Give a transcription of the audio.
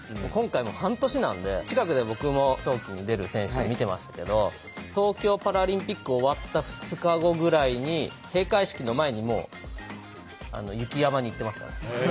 今回半年なんで近くで僕も冬季に出る選手見てましたけど東京パラリンピック終わった２日後ぐらいに閉会式の前にもう雪山に行ってましたね。